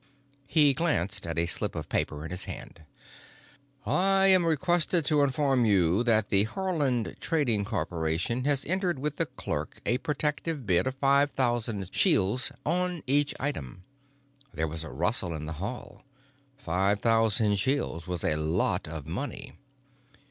He glanced at a slip of paper in his hand. "I am requested to inform you that the Haarland Trading Corporation has entered with the clerk a protective bid of five thousand shields on each item." There was a rustle in the hall. Five thousand shields was a lot of money.